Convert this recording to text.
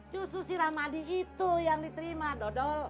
justru si ramadi itu yang diterima dodol